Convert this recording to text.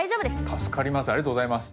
助かります